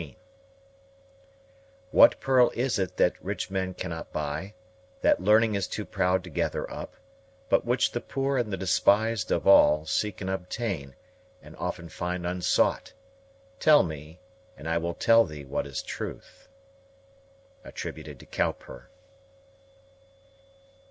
What pearl is it that rich men cannot buy, That learning is too proud to gather up; But which the poor and the despised of all Seek and obtain, and often find unsought? Tell me and I will tell thee what is truth. COWPER.